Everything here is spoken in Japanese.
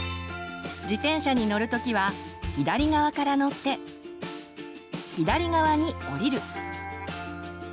自転車に乗る時は左側から乗って左側に降りる。